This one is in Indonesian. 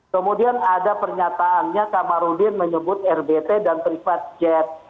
kemudian ada pernyataannya kamarudin menyebut rbt dan private jet